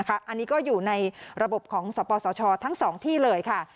อันนี้ก็อยู่ในระบบของสปสชทั้ง๒ที่เลยค่ะ